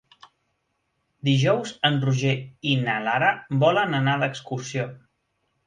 Dijous en Roger i na Lara volen anar d'excursió.